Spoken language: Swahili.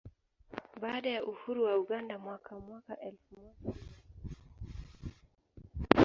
Baada ya uhuru wa Uganda mwaka mwaka elfu moja mia tisa sitini na mbili